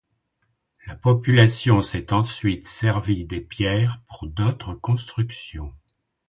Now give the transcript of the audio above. La population s'est ensuite servi des pierres pour d'autres constructions.